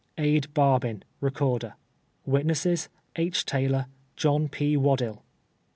ADE. BARBIN, Recorder. Witnesses : 11. Taylor, John P. AVaddill.